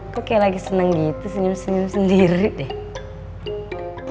kok kayak lagi seneng gitu senyum senyum sendiri deh